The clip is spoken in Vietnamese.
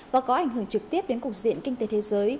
và có ảnh hưởng trực tiếp đến cục diện kinh tế thế giới